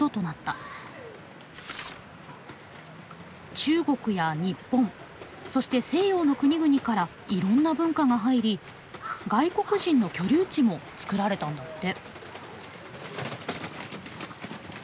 中国や日本そして西洋の国々からいろんな文化が入り外国人の居留地もつくられたんだって。